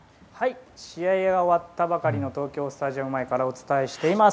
試合が終わったばかりの東京スタジアム前からお伝えしています。